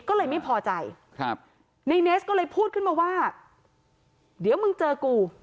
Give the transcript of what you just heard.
ก็เลยไม่พอใจครับในเนสก็เลยพูดขึ้นมาว่าเดี๋ยวมึงเจอกู